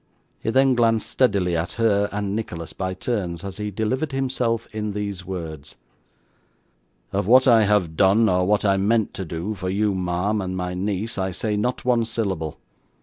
He then glanced steadily at her and Nicholas by turns, as he delivered himself in these words: 'Of what I have done, or what I meant to do, for you, ma'am, and my niece, I say not one syllable.